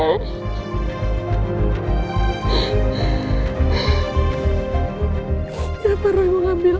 kenapa roy mengambil al